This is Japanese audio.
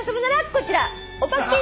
こちら。